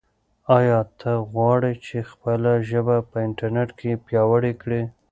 آیا ته غواړې چې خپله ژبه په انټرنیټ کې پیاوړې کړې؟